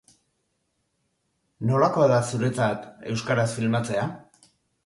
Nolakoa da zuretzat euskaraz filmatzea?